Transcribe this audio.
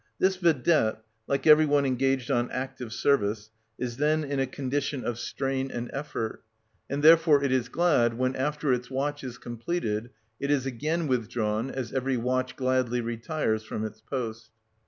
This vedette, like every one engaged on active service, is then in a condition of strain and effort, and therefore it is glad when, after its watch is completed, it is again withdrawn, as every watch gladly retires from its post.